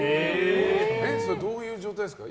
それどういう状態ですか？